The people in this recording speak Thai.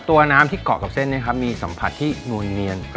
ตัวน้ำที่เกาะกับเส้นมีสัมผัสที่โน้นเมียน